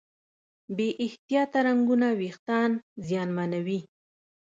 بې احتیاطه رنګونه وېښتيان زیانمنوي.